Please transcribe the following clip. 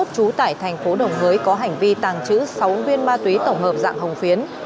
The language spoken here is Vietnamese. trú tại thành phố đồng hới có hành vi tàng trữ sáu viên ma túy tổng hợp dạng hồng phiến